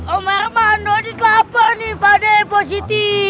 omar maandu adit lapar nih pade positi